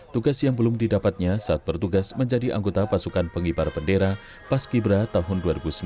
tugas yang belum didapatnya saat bertugas menjadi anggota pasukan pengibar pendera pas kibra tahun dua ribu sembilan belas